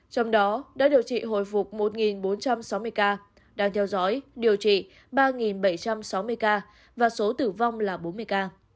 trong đó đã điều trị hồi phục một bốn trăm sáu mươi ca đang theo dõi điều trị ba bảy trăm sáu mươi ca và số tử vong là bốn mươi ca